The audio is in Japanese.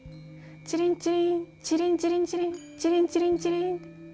チリンチリン、チリンチリンチリン、チリン、チリン、チリン。